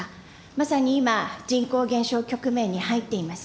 まさに今、人口減少局面に入っています。